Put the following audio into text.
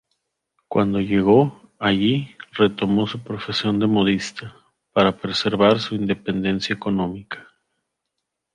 Cuando llegó allí retomó su profesión de modista, para preservar su independencia económica.